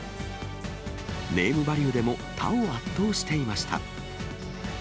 ネームバリューでも他を圧倒していました。